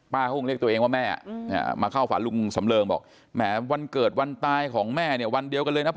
เขาคงเรียกตัวเองว่าแม่มาเข้าฝันลุงสำเริงบอกแหมวันเกิดวันตายของแม่เนี่ยวันเดียวกันเลยนะพ่อ